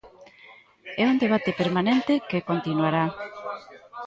É un debate permanente, que continuará.